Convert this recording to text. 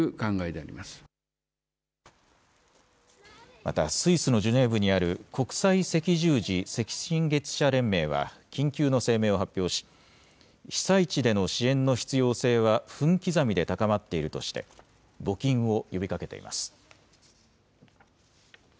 またスイスのジュネーブにある国際赤十字・赤新月社連盟は緊急の声明を発表し被災地での支援の必要性は分刻みで高まっているとして募金を呼びかけています。